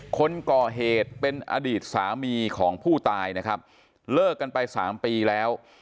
คนก่อเหตุเป็นอดีตสามีของผู้ตายนะครับเลิกกันไปสามปีแล้ว